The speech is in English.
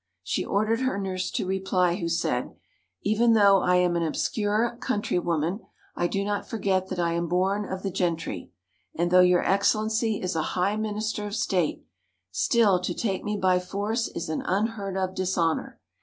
She ordered her nurse to reply, who said, "Even though I am an obscure countrywoman, I do not forget that I am born of the gentry; and though your Excellency is a high Minister of State, still to take me by force is an unheard of dishonour.